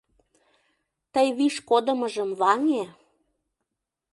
Тый виш кодымыжым ваҥе.